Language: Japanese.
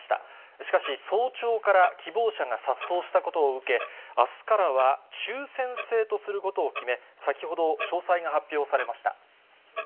しかし、早朝から希望者が殺到したことを受け、あすからは抽せん制とすることを決め、先ほど詳細が発表されました。